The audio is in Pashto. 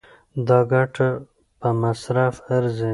دا ګټه په مصرف ارزي.